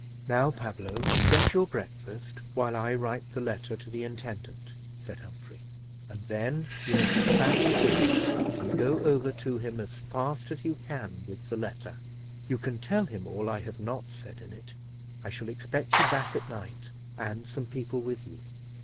"Now, Pablo, get your breakfast, while I write the letter to the intendant," said Humphrey; "and then you must saddle Billy, and go over to him as fast as you can with the letter. You can tell him all I have not said in it. I shall expect you back at night, and some people with you."